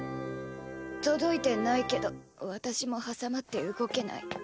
届いてないけど私も挟まって動けない。